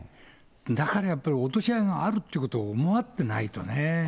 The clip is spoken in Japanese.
だからやっぱり、落とし穴があるっていうことを思ってないとね。